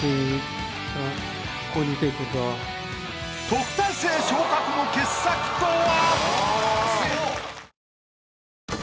特待生昇格の傑作とは？